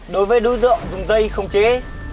đối với đối tượng dùng dây không chế tên cướp